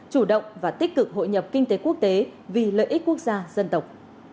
chủ động và tích cực hội nhập kinh tế quốc tế vì lợi ích quốc gia dân tộc